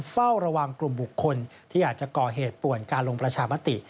เฝ้าระวังกลุ่มบุคคลที่อาจจะก่อเหตุป่วนการลงประชามติ